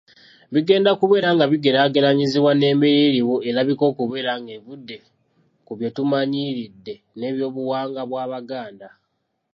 Bigenda kubeera nga bigeraageranyizibwa n’embeera eriwo erabika okubeera ng’evudde ku byetumanyiridde ng’ebyobuwangwa bw’Abaganda.